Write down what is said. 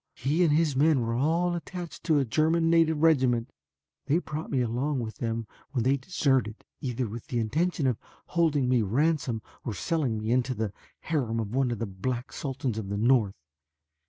He and his men were all attached to a German native regiment. They brought me along with them when they deserted, either with the intention of holding me ransom or selling me into the harem of one of the black sultans of the north.